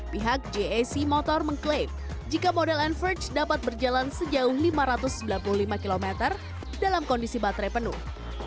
pihak jac motor mengklaim jika model enforch dapat berjalan sejauh lima ratus sembilan puluh lima km dalam kondisi baterai penuh